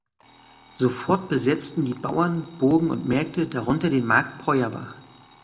Sofort besetzten die Bauern Burgen und Märkte, darunter den Markt Peuerbach.